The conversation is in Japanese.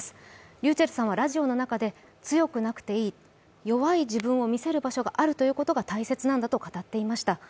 ｒｙｕｃｈｅｌｌさんはラジオの中で強くなくていい、弱い自分を見せる場所があることが大切なんだと語っていました。